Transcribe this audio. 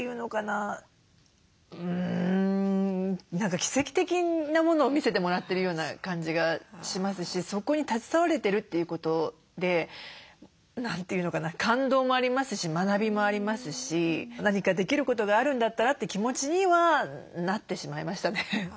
うん何か奇跡的なものを見せてもらってるような感じがしますしそこに携われてるということで感動もありますし学びもありますし何かできることがあるんだったらって気持ちにはなってしまいましたね。